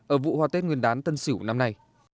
ở vụ hoa tết nguyên đán tân sỉu năm nay